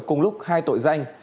cùng lúc hai tội danh